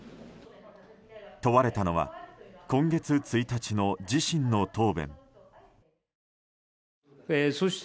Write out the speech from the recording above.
問われたのは今月１日の自身の答弁。